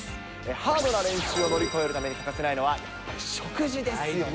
ハードな練習を乗り越えるために欠かせないのは、食事ですよね。